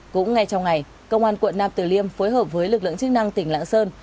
cũng ngay trong ngày công an quận nam tử liêm phối hợp với lực lượng chức năng tỉnh lạng sơn